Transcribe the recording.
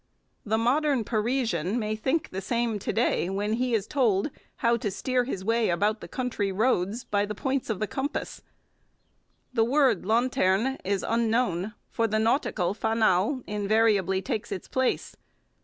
The modern Parisian may think the same to day when he is told how to steer his way about the country roads by the points of the compass. The word lanterne is unknown, for the nautical fanal invariably takes its place.